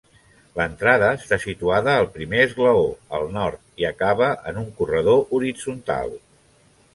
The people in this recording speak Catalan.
L'entrada està situada al primer esglaó, al nord, i acaba en un corredor horitzontal.